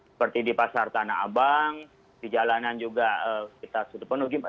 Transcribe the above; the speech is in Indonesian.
seperti di pasar tanah abang di jalanan juga kita sudah penuhi